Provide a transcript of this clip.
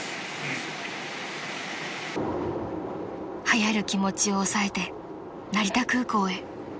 ［はやる気持ちを抑えて成田空港へ］